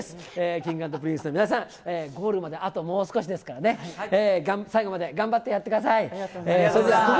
Ｋｉｎｇ＆Ｐｒｉｎｃｅの皆さん、ゴールまであともう少しですからね、最後まで頑張ってやってください。